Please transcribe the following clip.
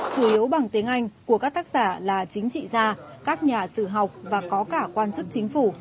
chủ yếu bằng tiếng anh của các tác giả là chính trị gia các nhà sử học và có cả quan chức chính phủ